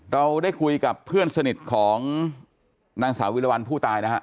เราได้คุยกับเพื่อนสนิทของนางสาววิรวรรณผู้ตายนะฮะ